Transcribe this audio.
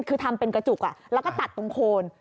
คือทำเป็นกระจุกแล้วก็ตัดตรงโคน